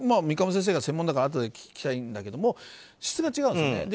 三鴨先生が専門だからあとで聞きたいんだけど質が違うんですね。